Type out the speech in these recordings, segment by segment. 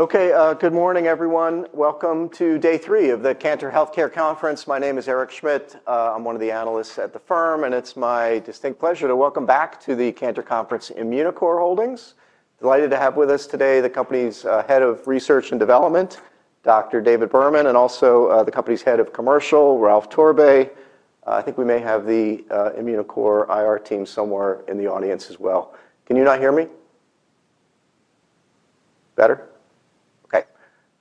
Okay, good morning, everyone. Welcome to Day Three of the Cantor Healthcare Conference. My name is Eric Schmidt. I'm one of the analysts at the firm, and it's my distinct pleasure to welcome back to the Cantor Conference Immunocore Holdings. Delighted to have with us today the company's Head of Research and Development, Dr. David Berman, and also the company's Head of Commercial, Ralph Torbay. I think we may have the Immunocore IR team somewhere in the audience as well. Can you not hear me? Better? Okay,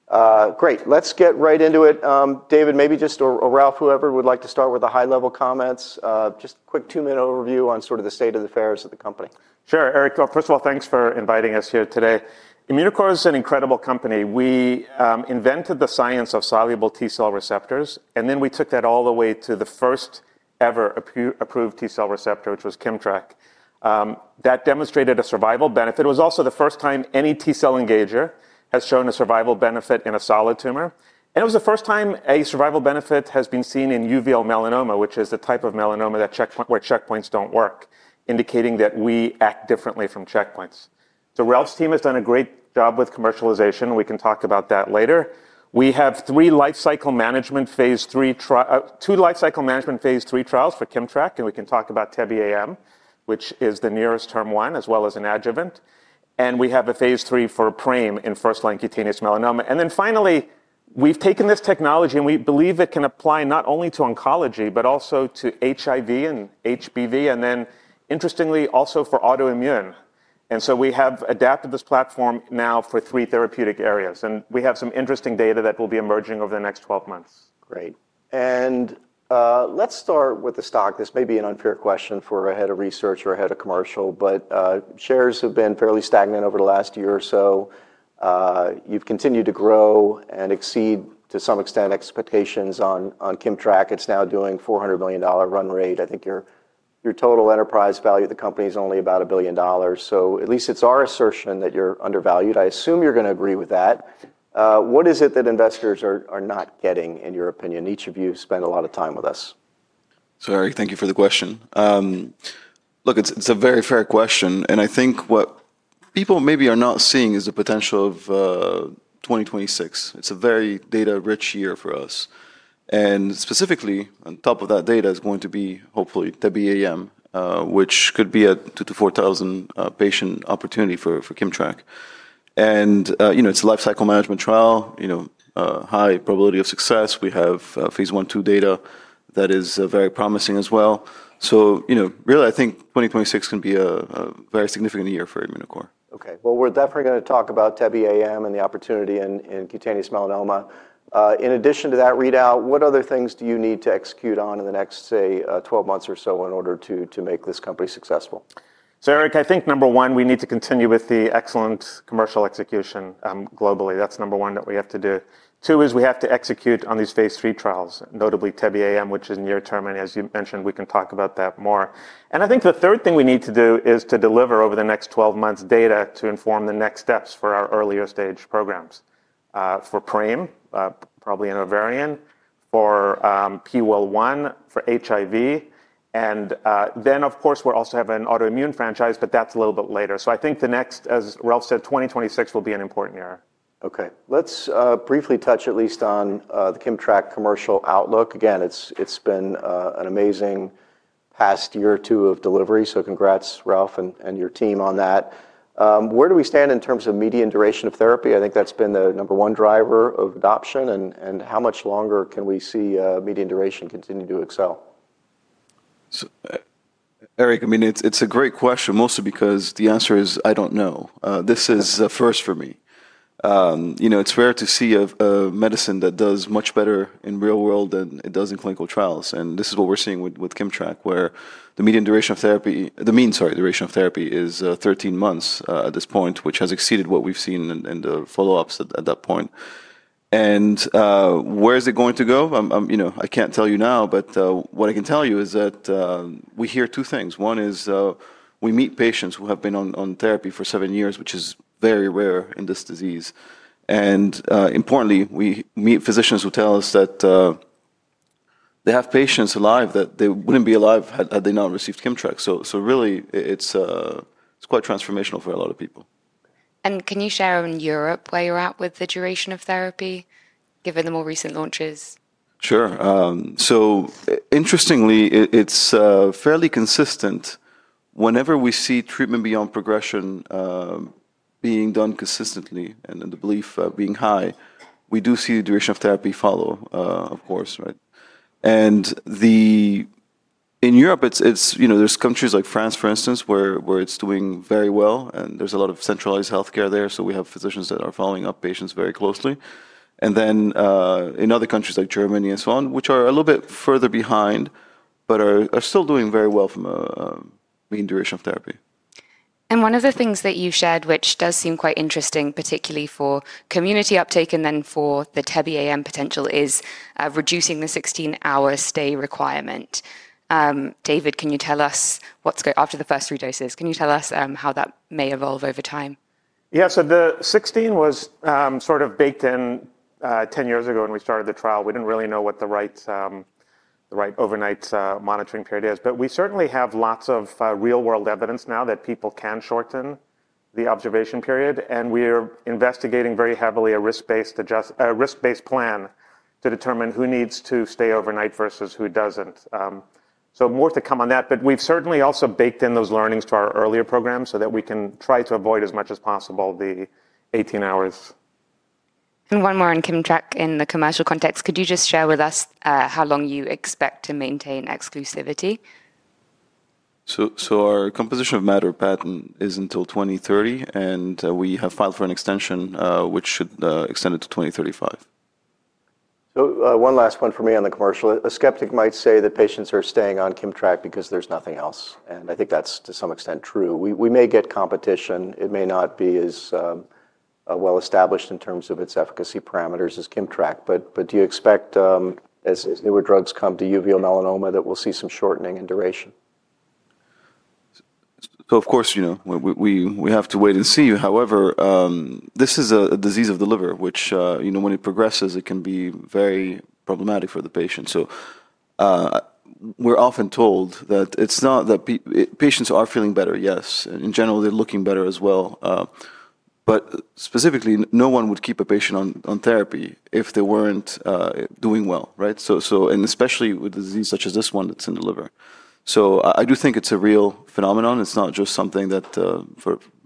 great. Let's get right into it. David, maybe just, or Ralph, whoever would like to start with the high-level comments, just a quick two-minute overview on sort of the state of affairs of the company. Sure, Eric. First of all, thanks for inviting us here today. Immunocore is an incredible company. We invented the science of soluble T-cell receptors, and then we took that all the way to the first ever approved T-cell receptor, which was KIMMTRAK. That demonstrated a survival benefit. It was also the first time any T-cell engager has shown a survival benefit in a solid tumor, and it was the first time a survival benefit has been seen in uveal melanoma, which is the type of melanoma where checkpoint inhibitors don't work, indicating that we act differently from checkpoint inhibitors. Ralph's team has done a great job with commercialization. We can talk about that later. We have three lifecycle management phase 3 trials, two lifecycle management phase 3 trials for KIMMTRAK, and we can talk about TEBE-AM, which is the nearest term one, as well as an adjuvant. We have a phase 3 for the PRAME in first-line cutaneous melanoma. Finally, we've taken this technology, and we believe it can apply not only to oncology, but also to HIV and HPV, and interestingly, also for autoimmune. We have adapted this platform now for three therapeutic areas, and we have some interesting data that will be emerging over the next 12 months. Great. Let's start with the stock. This may be an unfair question for a Head of Research or a Head of Commercial, but shares have been fairly stagnant over the last year or so. You've continued to grow and exceed, to some extent, expectations on KIMMTRAK. It's now doing a $400 million run rate. I think your total enterprise value of the company is only about $1 billion. At least it's our assertion that you're undervalued. I assume you're going to agree with that. What is it that investors are not getting, in your opinion? Each of you spent a lot of time with us. Eric, thank you for the question. It's a very fair question, and I think what people maybe are not seeing is the potential of 2026. It's a very data-rich year for us. Specifically, on top of that data is going to be hopefully TEBE-AM, which could be a 2,000- 4,000 patient opportunity for KIMMTRAK. You know, it's a lifecycle management trial, you know, a high probability of success. We have phase 1/2 data that is very promising as well. I think 2026 can be a very significant year for Immunocore. Okay, we're definitely going to talk about TEBE-AM and the opportunity in cutaneous melanoma. In addition to that readout, what other things do you need to execute on in the next, say, 12 months or so in order to make this company successful? Eric, I think number one, we need to continue with the excellent commercial execution globally. That's number one that we have to do. Two is we have to execute on these phase 3 trials, notably TEBE-AM, which is near term. As you mentioned, we can talk about that more. I think the third thing we need to do is to deliver over the next 12 months data to inform the next steps for our earlier stage programs. For PRAME, probably in ovarian, for PIWIL1, for HIV, and then, of course, we're also having an autoimmune franchise, but that's a little bit later. I think the next, as Ralph said, 2026 will be an important year. Okay, let's briefly touch at least on the KIMMTRAK commercial outlook. It's been an amazing past year or two of delivery. Congrats, Ralph, and your team on that. Where do we stand in terms of median duration of therapy? I think that's been the number one driver of adoption. How much longer can we see median duration continue to excel? Eric, I mean, it's a great question, mostly because the answer is I don't know. This is a first for me. You know, it's rare to see a medicine that does much better in the real world than it does in clinical trials. This is what we're seeing with KIMMTRAK, where the mean duration of therapy is 13 months at this point, which has exceeded what we've seen in the follow-ups at that point. Where is it going to go? I can't tell you now, but what I can tell you is that we hear two things. One is we meet patients who have been on therapy for seven years, which is very rare in this disease. Importantly, we meet physicians who tell us that they have patients alive that wouldn't be alive had they not received KIMMTRAK. It's quite transformational for a lot of people. Can you share in Europe where you're at with the duration of therapy, given the more recent launches? Sure. Interestingly, it's fairly consistent. Whenever we see treatment beyond progression being done consistently and the belief being high, we do see the duration of therapy follow, of course, right? In Europe, there are countries like France, for instance, where it's doing very well, and there's a lot of centralized healthcare there. We have physicians that are following up patients very closely. In other countries like Germany and so on, which are a little bit further behind but are still doing very well from a mean duration of therapy. One of the things that you shared, which does seem quite interesting, particularly for community uptake and then for the TEBE-AM potential, is reducing the 16-hour stay requirement. David, can you tell us what's going after the first three doses? Can you tell us how that may evolve over time? Yeah, so the 16-hour was sort of baked in 10 years ago when we started the trial. We didn't really know what the right overnight monitoring period is, but we certainly have lots of real-world evidence now that people can shorten the observation period. We are investigating very heavily a risk-based plan to determine who needs to stay overnight versus who doesn't. More to come on that, but we've certainly also baked in those learnings to our earlier programs so that we can try to avoid as much as possible the 18 hours. One more on KIMMTRAK in the commercial context. Could you just share with us how long you expect to maintain exclusivity? Our composition of matter patent is until 2030, and we have filed for an extension, which should extend it to 2035. One last one for me on the commercial. A skeptic might say that patients are staying on KIMMTRAK because there's nothing else, and I think that's to some extent true. We may get competition. It may not be as well established in terms of its efficacy parameters as KIMMTRAK, but do you expect, as newer drugs come to uveal melanoma, that we'll see some shortening in duration? Of course, you know, we have to wait and see. However, this is a disease of the liver, which, you know, when it progresses, it can be very problematic for the patient. We're often told that it's not that patients are feeling better, yes. In general, they're looking better as well. Specifically, no one would keep a patient on therapy if they weren't doing well, right? Especially with a disease such as this one that's in the liver. I do think it's a real phenomenon. It's not just something that,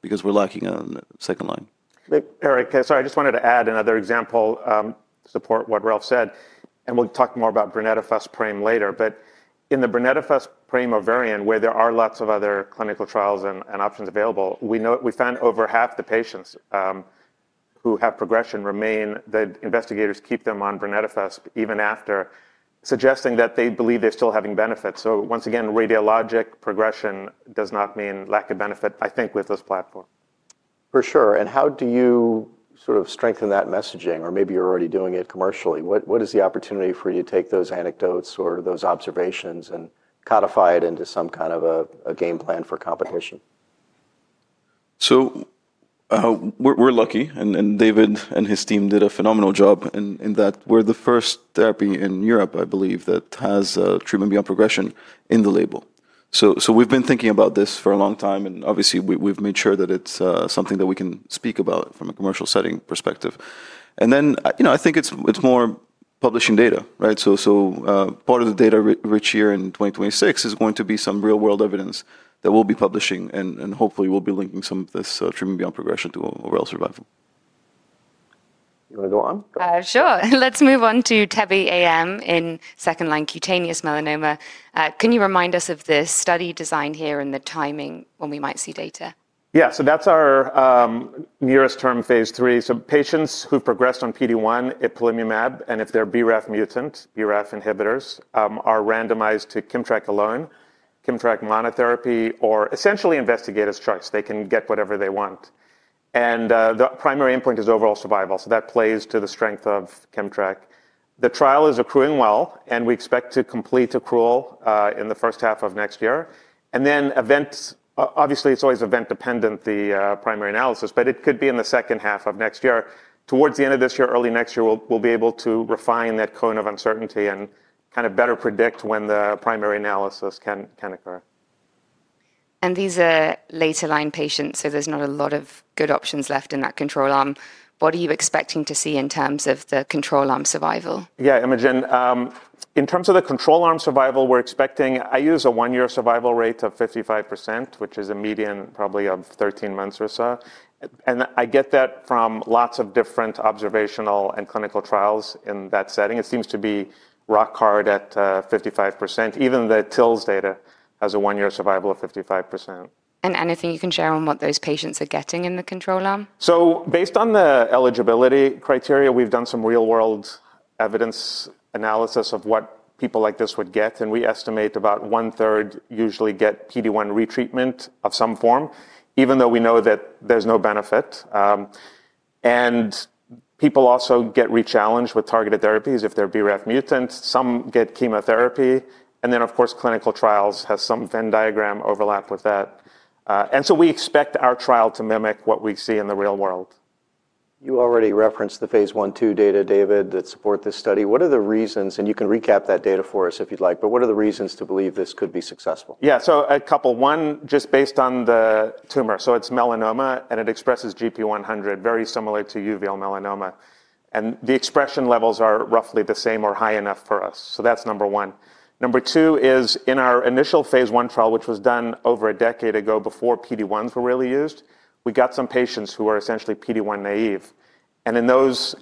because we're lacking a second line. Eric, sorry, I just wanted to add another example to support what Ralph said, and we'll talk more about brenetafusp PRAME later. In the brenetafusp PRAME ovarian, where there are lots of other clinical trials and options available, we found over half the patients who have progression remain that investigators keep them on brenetafusp even after, suggesting that they believe they're still having benefit. Once again, radiologic progression does not mean lack of benefit, I think, with this platform. For sure. How do you sort of strengthen that messaging, or maybe you're already doing it commercially? What is the opportunity for you to take those anecdotes or those observations and codify it into some kind of a game plan for competition? We're lucky, and David and his team did a phenomenal job in that we're the first therapy in Europe, I believe, that has treatment beyond progression in the label. We've been thinking about this for a long time, and obviously, we've made sure that it's something that we can speak about from a commercial setting perspective. I think it's more publishing data, right? Part of the data rich year in 2026 is going to be some real-world evidence that we'll be publishing, and hopefully, we'll be linking some of this treatment beyond progression to overall survival. Sure. Let's move on to TEBE-AM in second-line cutaneous melanoma. Can you remind us of the study design here and the timing when we might see data? Yeah, so that's our nearest term phase 3. Patients who've progressed on PD-1, ipilimumab, and if they're BRAF mutant, BRAF inhibitors, are randomized to KIMMTRAK alone. KIMMTRAK monotherapy or essentially investigator's choice. They can get whatever they want. The primary endpoint is overall survival. That plays to the strength of KIMMTRAK. The trial is accruing well, and we expect to complete accrual in the first half of next year. Events, obviously, it's always event dependent, the primary analysis, but it could be in the second half of next year. Towards the end of this year, early next year, we'll be able to refine that cone of uncertainty and kind of better predict when the primary analysis can occur. These are later line patients, so there's not a lot of good options left in that control arm. What are you expecting to see in terms of the control arm survival? Yeah, Imogen, in terms of the control arm survival, we're expecting, I use a one-year survival rate of 55%, which is a median probably of 13 months or so. I get that from lots of different observational and clinical trials in that setting. It seems to be rock hard at 55%. Even the TILs data has a one-year survival of 55%. there anything you can share on what those patients are getting in the control arm? Based on the eligibility criteria, we've done some real-world evidence analysis of what people like this would get, and we estimate about 1/3 usually get PD-1 retreatment of some form, even though we know that there's no benefit. People also get re-challenged with targeted therapies if they're BRAF mutants. Some get chemotherapy, and then, of course, clinical trials have some Venn diagram overlap with that. We expect our trial to mimic what we see in the real world. You already referenced the phase 1/2 data, David, that support this study. What are the reasons, and you can recap that data for us if you'd like, but what are the reasons to believe this could be successful? Yeah, so a couple. One, just based on the tumor. It's melanoma, and it expresses GP100, very similar to uveal melanoma. The expression levels are roughly the same or high enough for us. That's number one. Number two is in our initial phase 1 trial, which was done over a decade ago before PD-1s were really used, we got some patients who are essentially PD-1 naive. In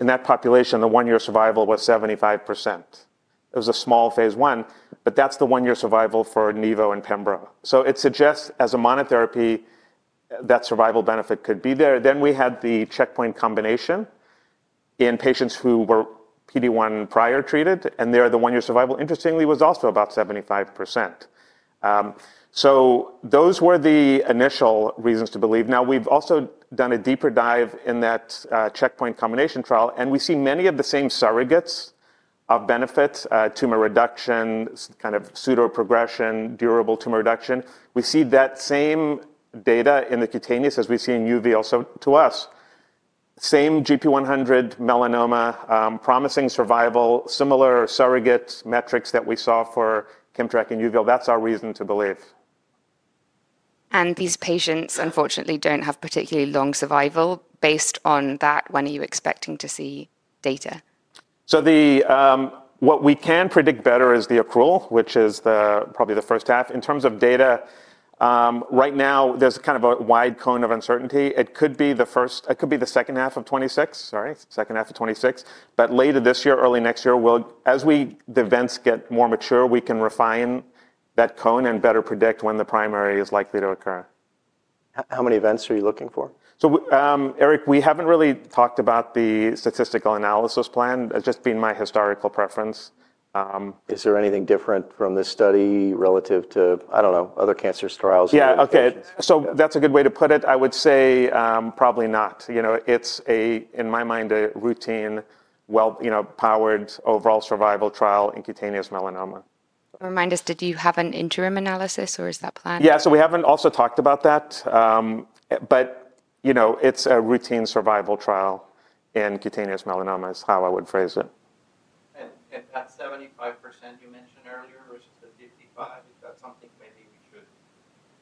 that population, the one-year survival was 75%. It was a small phase 1, but that's the one-year survival for nivo and pembro. It suggests as a monotherapy, that survival benefit could be there. We had the checkpoint combination in patients who were PD-1 prior treated, and there, the one-year survival, interestingly, was also about 75%. Those were the initial reasons to believe. We've also done a deeper dive in that checkpoint combination trial, and we see many of the same surrogates of benefits, tumor reduction, kind of pseudoprogression, durable tumor reduction. We see that same data in the cutaneous as we see in uveal. To us, same GP100 melanoma, promising survival, similar surrogate metrics that we saw for KIMMTRAK and uveal. That's our reason to believe. These patients, unfortunately, don't have particularly long survival. Based on that, when are you expecting to see data? What we can predict better is the accrual, which is probably the first half. In terms of data, right now, there's kind of a wide cone of uncertainty. It could be the first, it could be the second half of 2026, sorry, second half of 2026. Later this year, early next year, as the events get more mature, we can refine that cone and better predict when the primary is likely to occur. How many events are you looking for? Eric, we haven't really talked about the statistical analysis plan. That's just been my historical preference. Is there anything different from this study relative to, I don't know, other cancer trials? Yeah, okay. That's a good way to put it. I would say probably not. You know, it's, in my mind, a routine well-powered overall survival trial in cutaneous melanoma. Remind us, did you have an interim analysis or is that planned? Yeah, we haven't also talked about that. You know, it's a routine survival trial in cutaneous melanoma is how I would phrase it. To 55%. Is that something maybe we should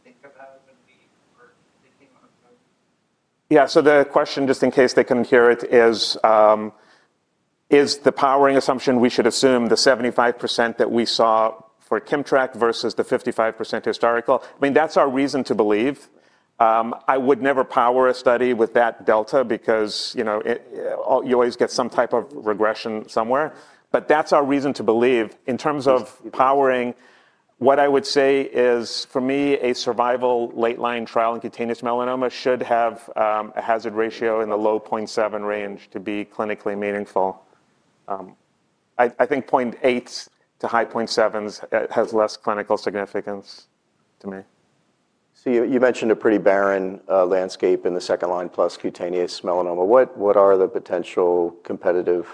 think about when we were thinking about that? Yeah, so the question, just in case they couldn't hear it, is, is the powering assumption we should assume the 75% that we saw for KIMMTRAK versus the 55% historical. I mean, that's our reason to believe. I would never power a study with that delta because, you know, you always get some type of regression somewhere. That's our reason to believe. In terms of powering, what I would say is, for me, a survival late line trial in cutaneous melanoma should have a hazard ratio in the low 0.7 range to be clinically meaningful. I think 0.8s to high 0.7s has less clinical significance to me. You mentioned a pretty barren landscape in the second line plus cutaneous melanoma. What are the potential competitive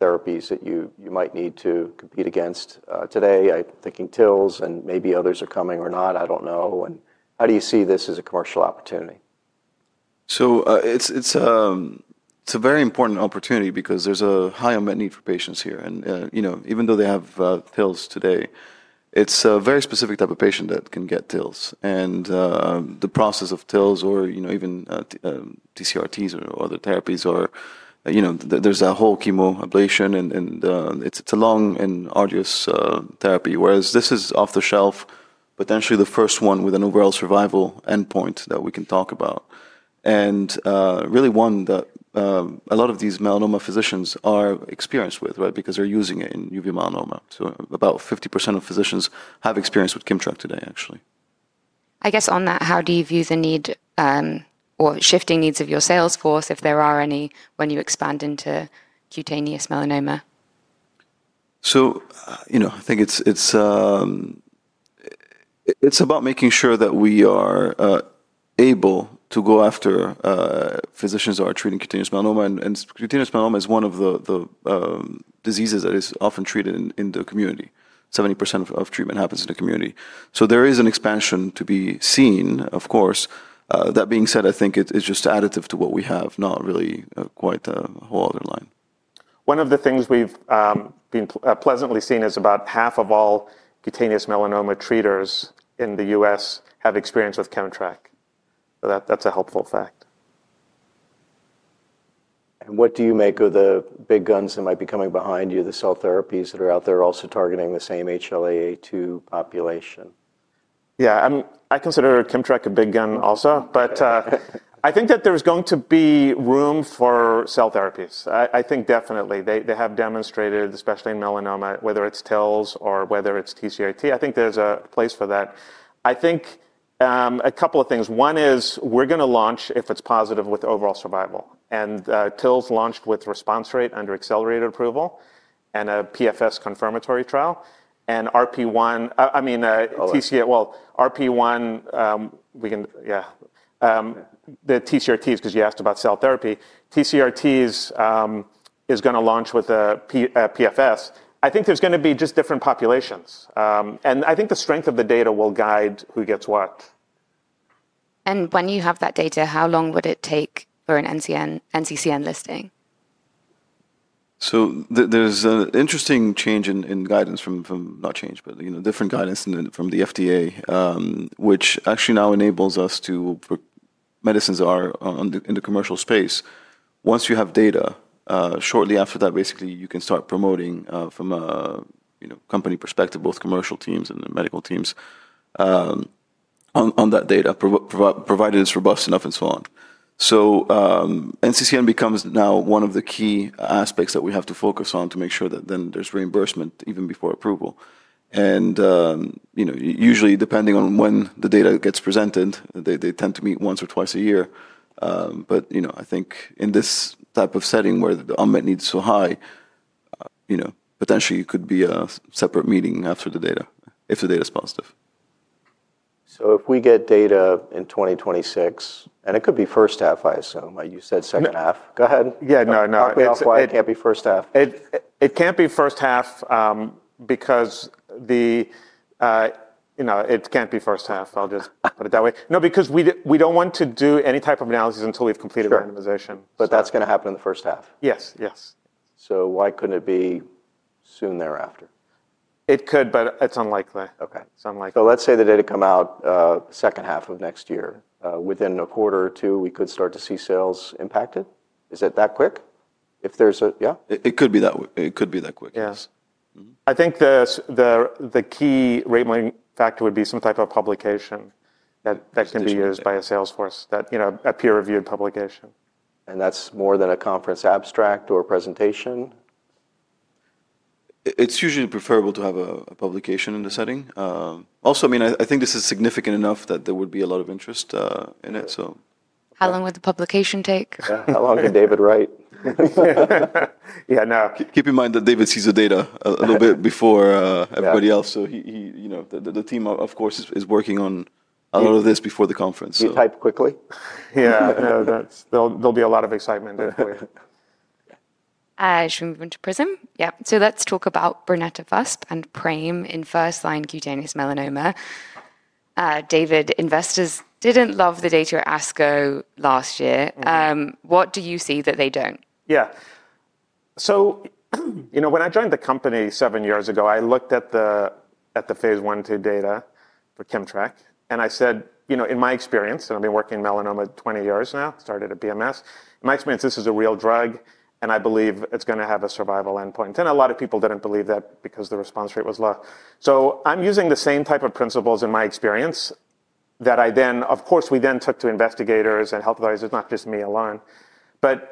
therapies that you might need to compete against today? I'm thinking TILs and maybe others are coming or not. I don't know. How do you see this as a commercial opportunity? It is a very important opportunity because there's a high unmet need for patients here. Even though they have TILs today, it's a very specific type of patient that can get TILs. The process of TILs or even TCRTs or other therapies involves a whole chemoablation and it's a long and arduous therapy. Whereas this is off the shelf, potentially the first one with an overall survival endpoint that we can talk about, and really one that a lot of these melanoma physicians are experienced with, right? They're using it in uveal melanoma. About 50% of physicians have experience with KIMMTRAK today, actually. I guess on that, how do you view the need or shifting needs of your sales force, if there are any, when you expand into cutaneous melanoma? I think it's about making sure that we are able to go after physicians who are treating cutaneous melanoma. Cutaneous melanoma is one of the diseases that is often treated in the community. 70% of treatment happens in the community. There is an expansion to be seen, of course. That being said, I think it's just additive to what we have, not really quite a whole other line. One of the things we've been pleasantly seeing is about half of all cutaneous melanoma treaters in the U.S. have experience with KIMMTRAK. That's a helpful fact. What do you make of the big guns that might be coming behind you, the cell therapies that are out there also targeting the same HLA-A2 population? Yeah, I consider KIMMTRAK a big gun also, but I think that there's going to be room for cell therapies. I think definitely they have demonstrated, especially in melanoma, whether it's TILs or whether it's TCRT, I think there's a place for that. I think a couple of things. One is we're going to launch, if it's positive, with overall survival. TILs launched with response rate under accelerated approval and a PFS confirmatory trial. RP1, I mean, TCRT, RP1, the TCRTs, because you asked about cell therapy. TCRTs is going to launch with a PFS. I think there's going to be just different populations. I think the strength of the data will guide who gets what. When you have that data, how long would it take for an NCCN listing? There's an interesting change in guidance from, not change, but, you know, different guidance from the FDA, which actually now enables us to put medicines in the commercial space. Once you have data, shortly after that, basically, you can start promoting from a company perspective, both commercial teams and medical teams on that data, provided it's robust enough and so on. NCCN becomes now one of the key aspects that we have to focus on to make sure that then there's reimbursement even before approval. Usually, depending on when the data gets presented, they tend to meet once or twice a year. I think in this type of setting where the unmet need is so high, potentially it could be a separate meeting after the data, if the data is positive. If we get data in 2026, and it could be first half, I assume. You said second half. Go ahead. No, no. It can't be first half. It can't be first half because, you know, it can't be first half. I'll just put it that way. No, because we don't want to do any type of analysis until we've completed randomization. That's going to happen in the first half. Yes, yes. Why couldn't it be soon thereafter? It could, but it's unlikely. Okay. Let's say the data come out the second half of next year. Within a quarter or two, we could start to see sales impacted. Is it that quick? If there's a, yeah? It could be that quick. Yes. I think the key rate-limiting factor would be some type of publication that can be used by a sales force, you know, a peer-reviewed publication. That's more than a conference abstract or a presentation? It's usually preferable to have a publication in the setting. Also, I mean, I think this is significant enough that there would be a lot of interest in it. How long would the publication take? How long can David write? Yeah, now keep in mind that David sees the data a little bit before everybody else. The team, of course, is working on a lot of this before the conference. Can you type quickly? Yeah, no, that's, there'll be a lot of excitement. Should we move on to Prism? Yeah, let's talk about brenetafusp and the PRAME program in first-line cutaneous melanoma. David, investors didn't love the data at ASCO last year. What do you see that they don't? Yeah, so, you know, when I joined the company seven years ago, I looked at the phase 1/2 data for KIMMTRAK. I said, you know, in my experience, and I've been working in melanoma 20 years now, started at BMS. In my experience, this is a real drug, and I believe it's going to have a survival endpoint. A lot of people didn't believe that because the response rate was low. I'm using the same type of principles in my experience that I then, of course, we then took to investigators and health advisors, not just me alone.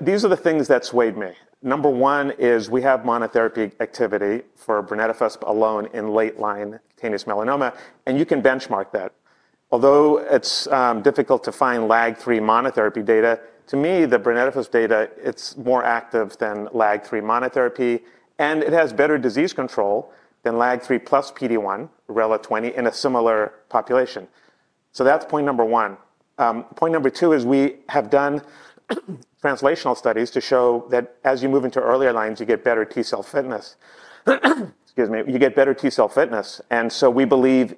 These are the things that swayed me. Number one is we have monotherapy activity for brenetafusp alone in late-line cutaneous melanoma, and you can benchmark that. Although it's difficult to find LAG-3 monotherapy data, to me, the brenetafusp data, it's more active than LAG-3 monotherapy, and it has better disease control than LAG-3 plus PD-1, RELA-020, in a similar population. That's point number one. Point number two is we have done translational studies to show that as you move into earlier lines, you get better T-cell fitness. Excuse me, you get better T-cell fitness. We believe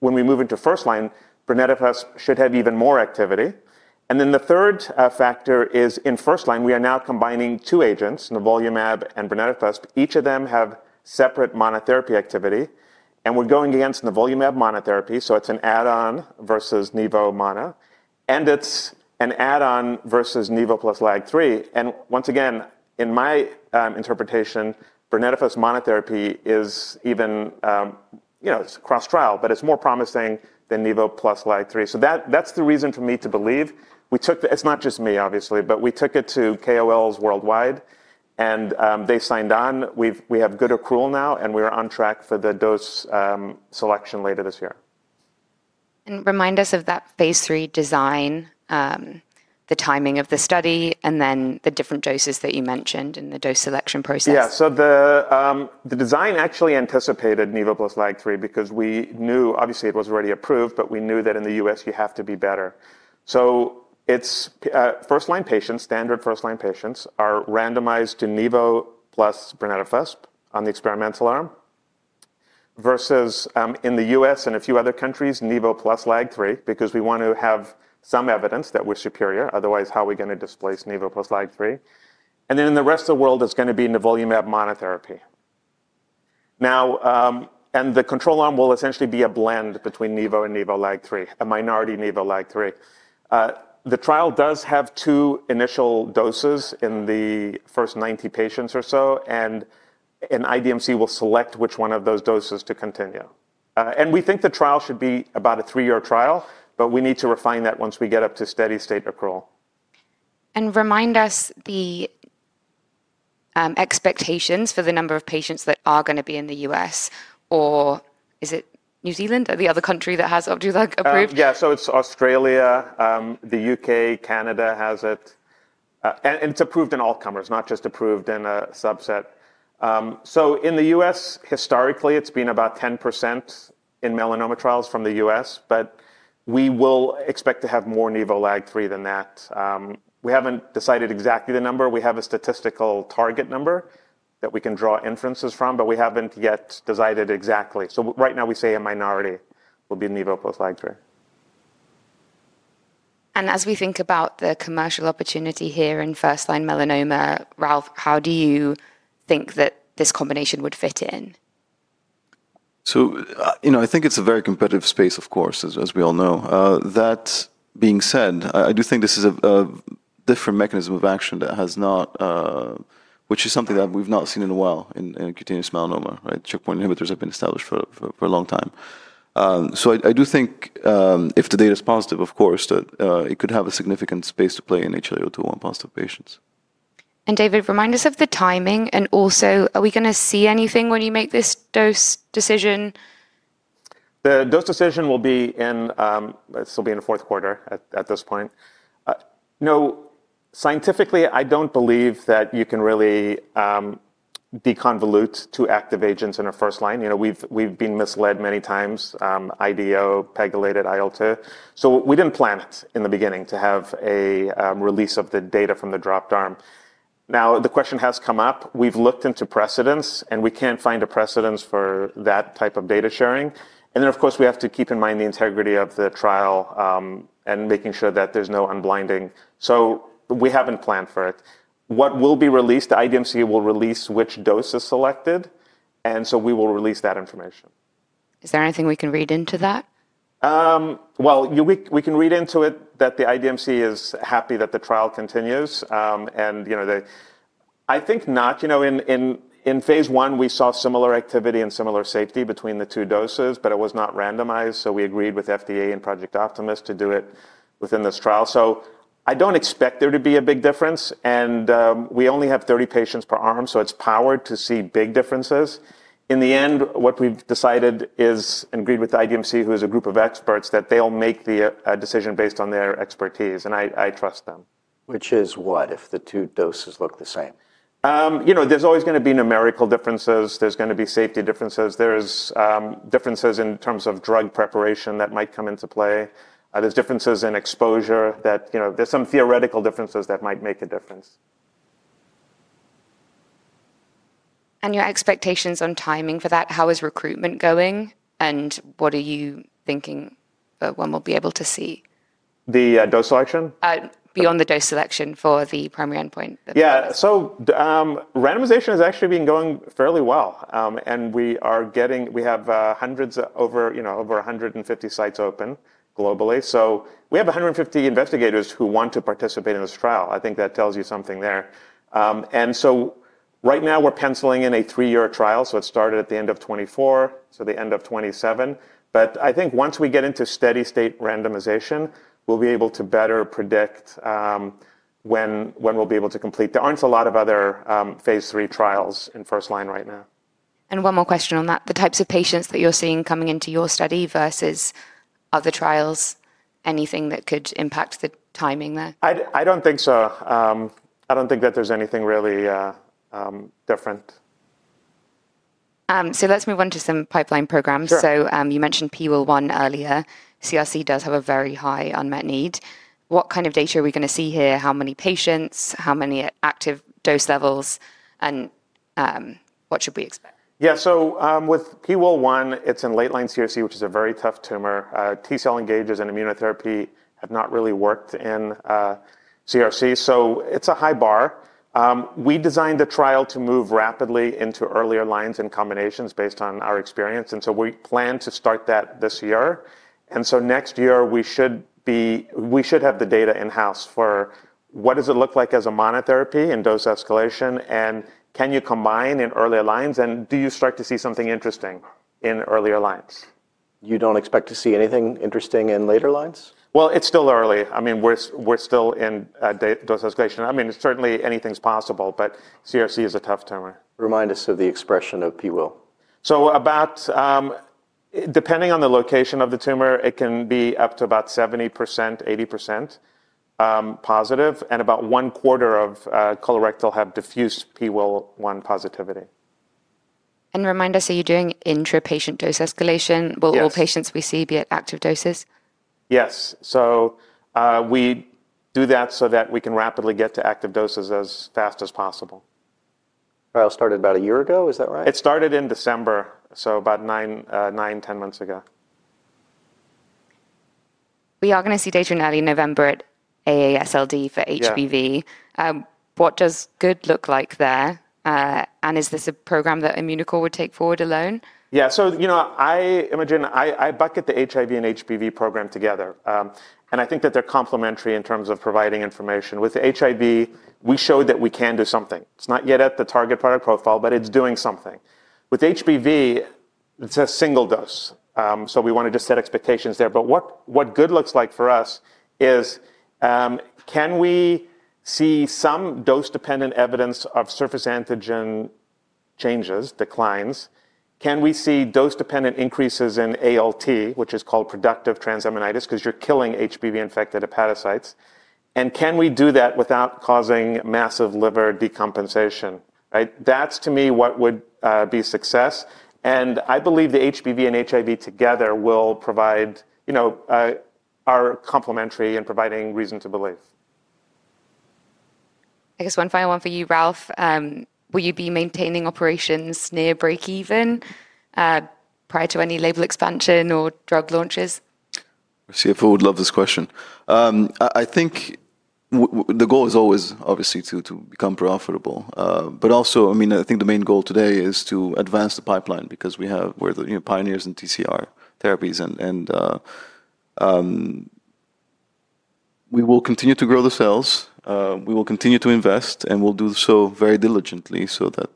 when we move into first-line, brenetafusp should have even more activity. The third factor is in first-line, we are now combining two agents, nivolumab and brenetafusp. Each of them have separate monotherapy activity, and we're going against nivolumab monotherapy. It's an add-on versus NIVO mono, and it's an add-on versus NIVO plus LAG-3. Once again, in my interpretation, brenetafusp monotherapy is even, you know, cross-trial, but it's more promising than NIVO plus LAG-3. That's the reason for me to believe. We took the, it's not just me, obviously, but we took it to KOLs worldwide, and they signed on. We have good accrual now, and we're on track for the dose selection later this year. Remind us of that phase 3 design, the timing of the study, and then the different doses that you mentioned in the dose selection process. Yeah, so the design actually anticipated NIVO plus LAG-3 because we knew, obviously, it was already approved, but we knew that in the U.S., you have to be better. It's first-line patients, standard first-line patients are randomized to NIVO plus brenetafusp on the experimental arm, versus in the U.S. and a few other countries, NIVO plus LAG-3, because we want to have some evidence that we're superior. Otherwise, how are we going to displace NIVO plus LAG-3? In the rest of the world, it's going to be nivolumab monotherapy. The control arm will essentially be a blend between NIVO and NIVO LAG-3, a minority NIVO LAG-3. The trial does have two initial doses in the first 90 patients or so, and an IDMC will select which one of those doses to continue. We think the trial should be about a three-year trial, but we need to refine that once we get up to steady state accrual. Remind us the expectations for the number of patients that are going to be in the U.S., or is it New Zealand or the other country that has approved? Yeah, so it's Australia, the U.K., Canada has it, and it's approved in all comers, not just approved in a subset. In the U.S., historically, it's been about 10% in melanoma trials from the U.S., but we will expect to have more NIVO LAG-3 than that. We haven't decided exactly the number. We have a statistical target number that we can draw inferences from, but we haven't yet decided exactly. Right now, we say a minority will be NIVO plus LAG-3. As we think about the commercial opportunity here in first-line melanoma, Ralph, how do you think that this combination would fit in? I think it's a very competitive space, of course, as we all know. That being said, I do think this is a different mechanism of action that has not, which is something that we've not seen in a while in cutaneous melanoma. Checkpoint inhibitors have been established for a long time. I do think if the data is positive, of course, that it could have a significant space to play in HLA-A2.1 positive patients. David, remind us of the timing, and also, are we going to see anything when you make this dose decision? The dose decision will be in, it'll be in the fourth quarter at this point. No, scientifically, I don't believe that you can really deconvolute two active agents in a first-line. You know, we've been misled many times, IDO, pegylated IL-2. We didn't plan it in the beginning to have a release of the data from the dropped arm. The question has come up. We've looked into precedents, and we can't find a precedent for that type of data sharing. We have to keep in mind the integrity of the trial and making sure that there's no unblinding. We haven't planned for it. What will be released, the IDMC will release which dose is selected, and we will release that information. Is there anything we can read into that? We can read into it that the IDMC is happy that the trial continues. I think, in phase 1, we saw similar activity and similar safety between the two doses, but it was not randomized. We agreed with FDA and Project Optimus to do it within this trial. I don't expect there to be a big difference, and we only have 30 patients per arm, so it's powered to see big differences. In the end, what we've decided is, and agreed with the IDMC, who is a group of experts, that they'll make the decision based on their expertise, and I trust them. Which is, what if the two doses look the same? You know, there's always going to be numerical differences. There's going to be safety differences. There's differences in terms of drug preparation that might come into play. There's differences in exposure that, you know, there's some theoretical differences that might make a difference. are your expectations on timing for that? How is recruitment going, and what are you thinking when we'll be able to see? The dose selection? Beyond the dose selection for the primary endpoint. Yeah, randomization has actually been going fairly well, and we are getting, we have hundreds, over 150 sites open globally. We have 150 investigators who want to participate in this trial. I think that tells you something there. Right now, we're penciling in a three-year trial. It started at the end of 2024, so the end of 2027. I think once we get into steady state randomization, we'll be able to better predict when we'll be able to complete. There aren't a lot of other phase 3 trials in first-line right now. One more question on that. The types of patients that you're seeing coming into your study versus other trials, anything that could impact the timing there? I don't think so. I don't think that there's anything really different. Let's move on to some pipeline programs. You mentioned PIWIL1 earlier. CRC does have a very high unmet need. What kind of data are we going to see here? How many patients? How many active dose levels? What should we expect? Yeah, so with PIWIL1, it's in late line CRC, which is a very tough tumor. T-cell engages in immunotherapy have not really worked in CRC, so it's a high bar. We designed the trial to move rapidly into earlier lines and combinations based on our experience. We plan to start that this year. Next year, we should have the data in-house for what does it look like as a monotherapy and dose escalation, and can you combine in earlier lines, and do you start to see something interesting in earlier lines? You don't expect to see anything interesting in later lines? It is still early. I mean, we're still in dose escalation. Certainly anything's possible, but CRC is a tough tumor. Remind us of the expression of PIWIL1. Depending on the location of the tumor, it can be up to about 70%- 80% positive, and about 1/4 of colorectal have diffuse PIWIL1 positivity. Remind us, are you doing intra-patient dose escalation? Will all patients we see be at active doses? Yes, we do that so that we can rapidly get to active doses as fast as possible. It started about a year ago, is that right? It started in December, so about nine, nine, ten months ago. We are going to see data now in November at AASLD for HPV. What does good look like there? Is this a program that Immunocore would take forward alone? Yeah, I imagine I bucket the HIV and HPV program together. I think that they're complementary in terms of providing information. With HIV, we showed that we can do something. It's not yet at the target product profile, but it's doing something. With HPV, it's a single dose. We want to just set expectations there. What good looks like for us is can we see some dose-dependent evidence of surface antigen changes, declines? Can we see dose-dependent increases in ALT, which is called productive transaminitis, because you're killing HPV-infected hepatocytes? Can we do that without causing massive liver decompensation? That's, to me, what would be success. I believe the HPV and HIV together are complementary in providing reason to believe. I guess one final one for you, Ralph. Will you be maintaining operations near break-even prior to any label expansions or drug launches? Our CFO would love this question. I think the goal is always, obviously, to become profitable. I think the main goal today is to advance the pipeline because we have, we're the pioneers in TCR therapies. We will continue to grow the cells. We will continue to invest, and we'll do so very diligently so that,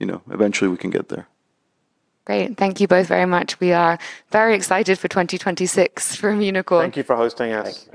you know, eventually we can get there. Great. Thank you both very much. We are very excited for 2026 for Immunocore. Thank you for hosting.